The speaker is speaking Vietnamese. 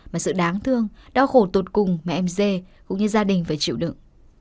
mà sự đáng thương đau khổ tột cùng mẹ em dê cũng như gia đình phải chịu đựng